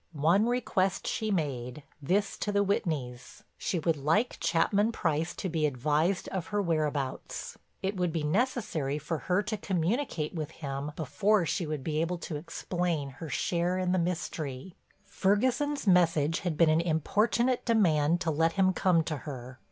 One request she made—this to the Whitneys—she would like Chapman Price to be advised of her whereabouts. It would be necessary for her to communicate with him before she would be able to explain her share in the mystery. Ferguson's message had been an importunate demand to let him come to her.